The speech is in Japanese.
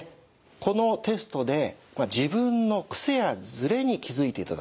このテストで自分のくせやずれに気づいていただく。